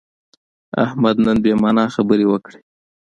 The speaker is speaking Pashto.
احمد نن بې معنا خبرې وکړې.